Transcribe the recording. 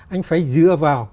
anh phải dựa vào